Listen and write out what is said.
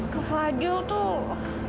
ke fadil tuh